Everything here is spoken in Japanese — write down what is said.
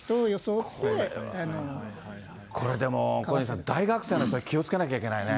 これでも、小西さん、大学生の人は気をつけなきゃいけないね。